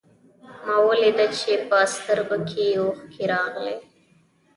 ما وليده چې په سترګو کې يې اوښکې راغلې.